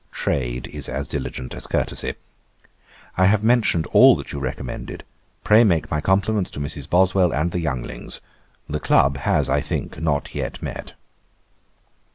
Trade is as diligent as courtesy. I have mentioned all that you recommended. Pray make my compliments to Mrs. Boswell and the younglings. The club has, I think, not yet met.